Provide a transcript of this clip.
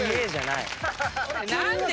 何で？